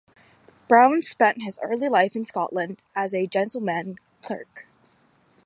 Broun spent his early life in Scotland as a gentleman clerk.